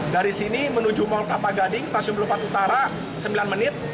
dari sini menuju mall kelapa gading stasiun belupat utara sembilan menit